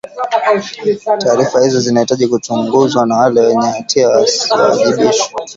taarifa hizo zinahitaji kuchunguzwa na wale wenye hatia wawajibishwe